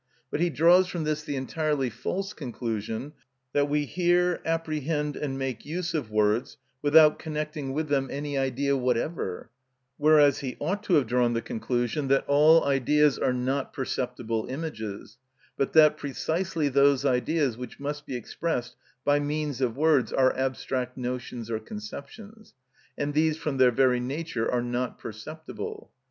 But he draws from this the entirely false conclusion that we hear, apprehend, and make use of words without connecting with them any idea whatever; whereas he ought to have drawn the conclusion that all ideas are not perceptible images, but that precisely those ideas which must be expressed by means of words are abstract notions or conceptions, and these from their very nature are not perceptible.